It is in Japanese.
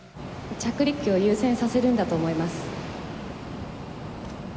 着陸機を優先させるんだと思います。